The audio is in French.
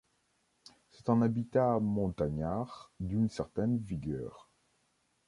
C'est un habitat montagnard d'une certaine vigueur.